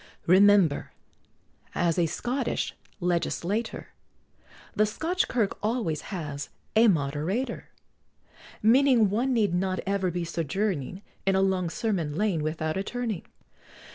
Remember, as a Scottish legislator, The Scotch Kirk always has a Moderator; Meaning one need not ever be sojourning In a long Sermon Lane without a turning.